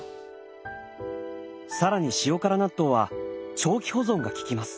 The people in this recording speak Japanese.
更に塩辛納豆は長期保存がききます。